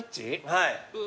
はい。